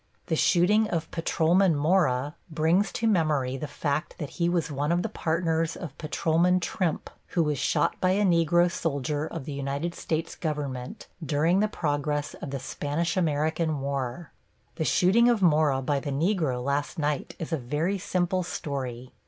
The shooting of Patrolman Mora brings to memory the fact that he was one of the partners of Patrolman Trimp, who was shot by a Negro soldier of the United States government during the progress of the Spanish American war. The shooting of Mora by the Negro last night is a very simple story.